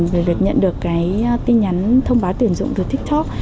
về việc nhận được cái tin nhắn thông báo tuyển dụng từ tiktok